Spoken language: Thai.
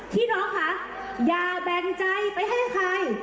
พี่น้องคะอย่าแบ่งใจไปให้ใคร